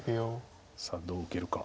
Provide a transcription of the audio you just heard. さあどう受けるか。